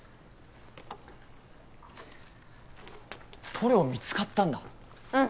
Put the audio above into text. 塗料見つかったんだうん